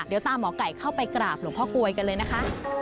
เดี๋ยวตามหมอไก่เข้าไปกราบหลวงพ่อกลวยกันเลยนะคะ